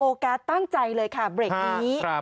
การ์ดตั้งใจเลยค่ะเบรกนี้